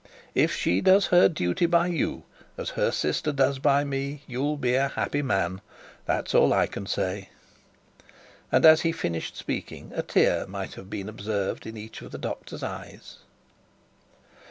If she does her duty by you as her sister does by me, you'll be a happy man; that's all I can say.' And as he finished speaking, a tear might have been observed in each of the doctor's eyes.'